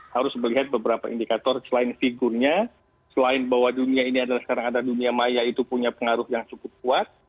harus melihat beberapa indikator selain figurnya selain bahwa dunia ini adalah sekarang ada dunia maya itu punya pengaruh yang cukup kuat